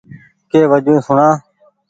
ڪي وجون سوڻا ۔